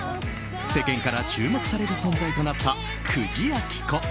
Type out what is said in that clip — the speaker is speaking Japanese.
世間から注目される存在となった久慈暁子。